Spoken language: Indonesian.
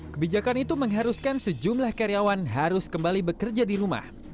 kebijakan itu mengharuskan sejumlah karyawan harus kembali bekerja di rumah